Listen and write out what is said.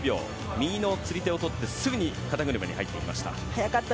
右の釣り手をとってすぐに肩車に入っていました。